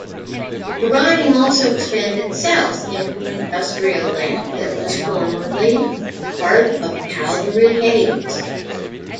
The riding also expanded south into industrial land that was formerly part of Calgary-Hays.